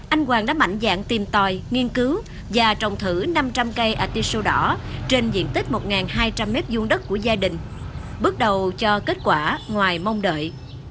anh hoàng đã mạnh dạng tìm tòi nghiên cứu và trồng thử năm trăm linh cây artisu đỏ trên diện tích một hai trăm linh m hai đất của gia đình bước đầu cho kết quả ngoài mong đợi